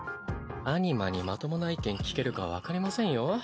アニマにまともな意見聞けるか分かりませんよ。